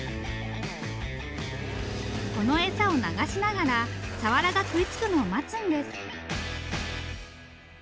この餌を流しながらサワラが食いつくのを待つんです。